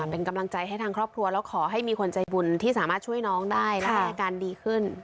เป็นกำลังใจให้ทางครอบครัวแล้วขอให้มีคนใจบุญที่สามารถช่วยน้องได้แล้วก็อาการดีขึ้น